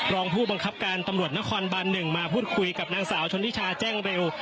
รองผู้บังคับการตำรวจนครบัน๑มาพูดคุยกับนางสาวชนทิชาแจ้งเร็ว